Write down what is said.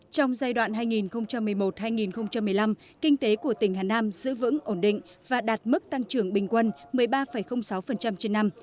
trong giai đoạn hai nghìn một mươi một hai nghìn một mươi năm kinh tế của tỉnh hà nam giữ vững ổn định và đạt mức tăng trưởng bình quân một mươi ba sáu trên năm